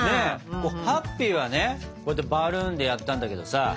「ＨＡＰＰＹ」はねこうやってバルーンでやったんだけどさ。